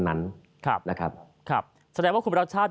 นะครับแสดงว่าคุณบริษัท